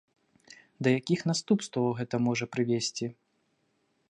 Да якіх наступстваў гэта можа прывесці?